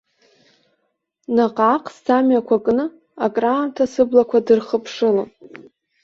Наҟ-ааҟ сӡамҩақәа кны, акраамҭа сыблақәа дырхыԥшылон.